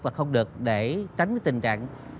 và không được để tránh cái tình trạng